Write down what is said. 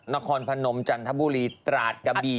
นครพนมจันทบุรีตราดกะบี